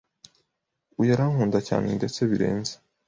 Uyu arankunda cyane ndetse birenze